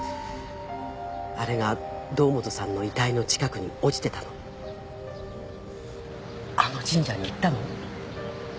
あれが堂本さんの遺体の近くに落ちてたのあの神社に行ったの？